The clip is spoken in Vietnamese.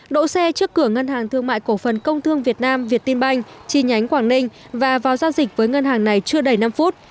đỗ xe trước cửa ngân hàng thương mại cổ phần công thương việt nam việt tinh banh chi nhánh quảng ninh và vào giao dịch với ngân hàng này chưa đầy năm phút